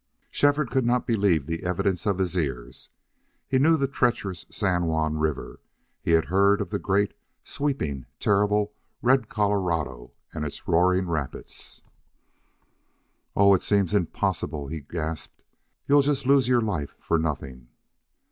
Shefford could not believe the evidence of his ears. He knew the treacherous San Juan River. He had heard of the great, sweeping, terrible red Colorado and its roaring rapids. "Oh, it seems impossible!" he gasped. "You'll just lose your life for nothing."